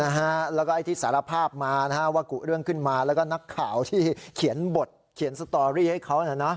แล้วก็ไอ้ที่สารภาพมาว่ากุเรื่องขึ้นมาแล้วก็นักข่าวที่เขียนบทเขียนสตอรี่ให้เขา